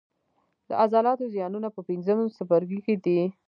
د عضلاتو زیانونه په پنځم څپرکي کې دي.